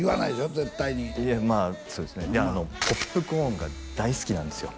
絶対にまあそうですねいやあのポップコーンが大好きなんですよ